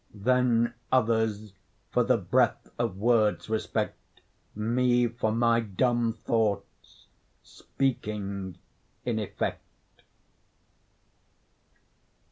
Then others, for the breath of words respect, Me for my dumb thoughts, speaking in effect.